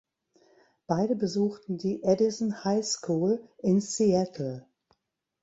Beide besuchten die Edison High School in Seattle.